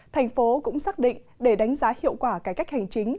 thành phố cũng xác định để đánh giá hiệu quả cải cách hành chính